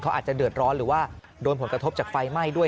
เขาอาจจะเดือดร้อนหรือว่าโดนผลกระทบจากไฟไหม้ด้วย